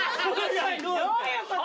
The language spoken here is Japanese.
どういうこと？